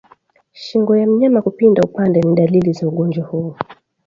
Shingo ya mnyama kupinda upande ni dalili za ugonjwa huu